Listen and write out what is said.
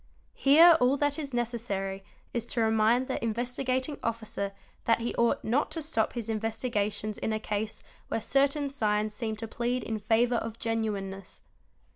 Here all that is necessary is to remind the Investigating Officer that he ought not to stop his investigations in a case where certain signs seem to plead in favour of genuineness.